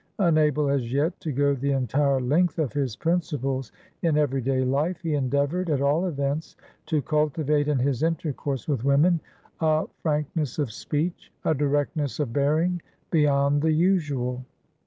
Unable, as yet, to go the entire length of his principles in every day life, he endeavoured, at all events, to cultivate in his intercourse with women a frankness of speech, a directness of bearing, beyond the usual.